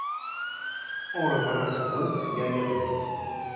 Ur ẓriɣ seg wanseg ara bduɣ.